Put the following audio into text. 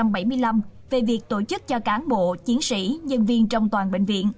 bệnh viện một trăm bảy mươi năm về việc tổ chức cho cán bộ chiến sĩ nhân viên trong toàn bệnh viện